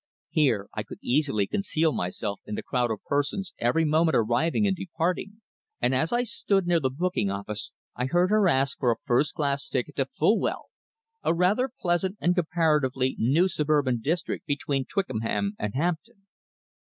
Here I could easily conceal myself in the crowd of persons every moment arriving and departing, and as I stood near the booking office, I heard her ask for a first class ticket to Fulwell, a rather pleasant and comparatively new suburban district between Twickenham and Hampton.